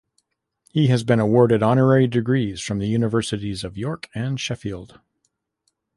He has been awarded honorary degrees from the Universities of York and Sheffield.